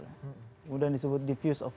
kemudian disebut diffuse of